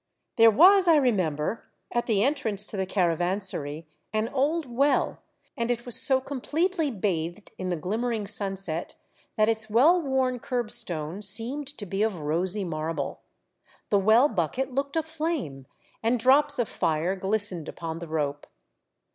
There was, I remember, at the entrance to the caravansary, an old well, and it was so com pletely bathed in the glimmering sunset that its well worn curbstone seemed to be of rosy marble ; the well bucket looked a flame, and drops of fire glistened upon the rope.